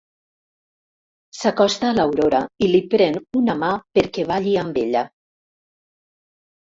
S'acosta a l'Aurora i li pren una mà perquè balli amb ella.